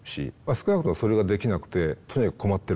少なくともそれができなくてとにかく困ってると。